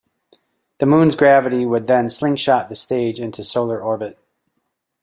The Moon's gravity would then slingshot the stage into solar orbit.